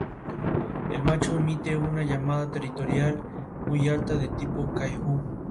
Los gobiernos aliados de Prado y Daza fueron derrocados tras la derrota.